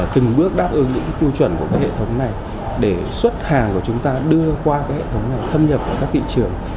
từng bước đáp ứng những tiêu chuẩn của hệ thống này để xuất hàng của chúng ta đưa qua cái hệ thống này thâm nhập vào các thị trường